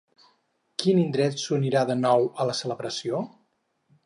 Quin indret s'unirà de nou a la celebració?